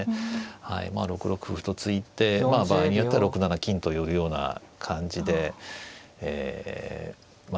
まあ６六歩と突いて場合によっては６七金と寄るような感じでえまあ